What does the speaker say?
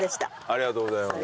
ありがとうございます。